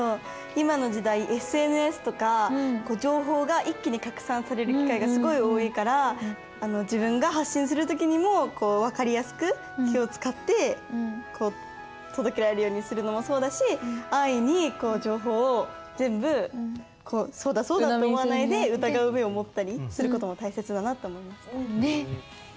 今の時代ＳＮＳとか情報が一気に拡散される機会がすごい多いから自分が発信する時にも分かりやすく気を遣って届けられるようにするのもそうだし安易に情報を全部「そうだそうだ」って思わないで疑う目を持ったりする事も大切だなって思いました。